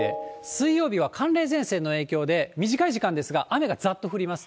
水曜日は寒冷前線の影響で、短い時間ですが、雨がざっと降ります。